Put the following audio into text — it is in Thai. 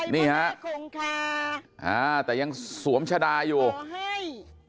นี่ฮะแต่ยังสวมชะดาอยู่